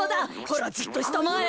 ほらじっとしたまえ。